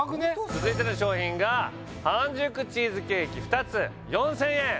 続いての商品が半熟チーズケーキ２つ４０００円